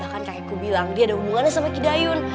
bahkan kakekku bilang dia ada hubungannya sama kidayun